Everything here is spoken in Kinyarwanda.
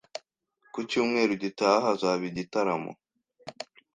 Ku cyumweru gitaha hazaba igitaramo